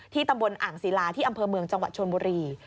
ตำบลอ่างศิลาที่อำเภอเมืองจังหวัดชนบุรี